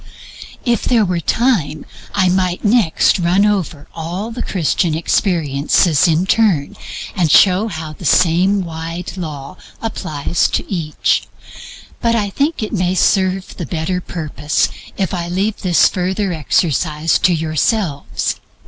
If there were time I might next run over all the Christian experiences in turn, and show the same wide law applies to each; but I think it may serve the better purpose if I leave this further exercise to yourselves.